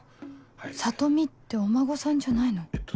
「里美」ってお孫さんじゃないの？